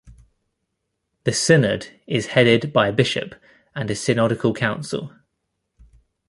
The synod is headed by a bishop and a synodical council.